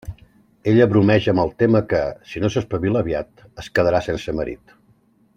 Ella bromeja amb el tema que, si no s'espavila aviat, es quedarà sense marit.